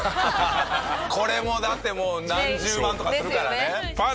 これもだってもう何十万とかするからね。ですよね。